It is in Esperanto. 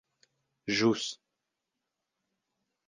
ĵus